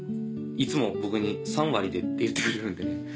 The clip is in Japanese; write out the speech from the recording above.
いつも僕に「３割で」って言ってくれるんで。